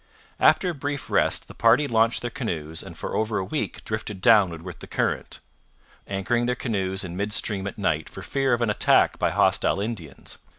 After a brief rest the party launched their canoes and for over a week drifted downward with the current, anchoring their canoes in mid stream at night for fear of an attack by hostile Indians.